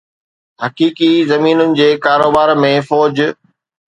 حقيقي زمينن جي ڪاروبار ۾ فوج